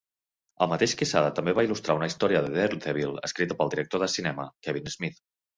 El mateix Quesada també va il·lustrar una història de "Daredevil" escrita pel director de cinema Kevin Smith.